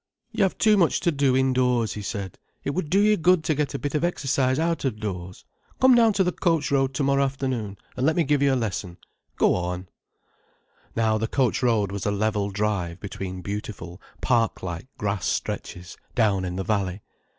"You have too much to do indoors," he said. "It would do you good to get a bit of exercise out of doors. Come down to the Coach Road tomorrow afternoon, and let me give you a lesson. Go on—" Now the coach road was a level drive between beautiful park like grass stretches, down in the valley.